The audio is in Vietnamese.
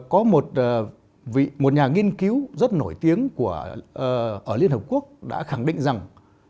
có một nhà nghiên cứu rất nổi tiếng ở liên hợp quốc đã khẳng định rằng